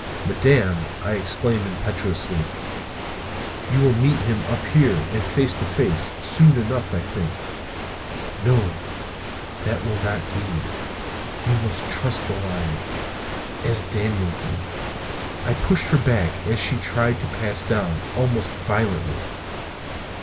"Madam," I exclaimed impetuously, "you will meet him up here, and face to face, soon enough, I think." "No, that will not do. You must trust the lion; as Daniel did." I pushed her back, as she tried to pass down, almost violently.